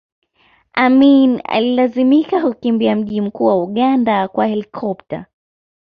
Amin alilazimika kukimbia mji mkuu wa Uganda kwa helikopta